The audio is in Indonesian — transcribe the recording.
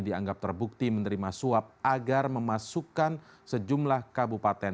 dianggap terbukti menerima suap agar memasukkan sejumlah kabupaten